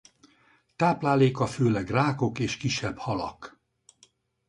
Tápláléka főleg rákok és kisebb halak.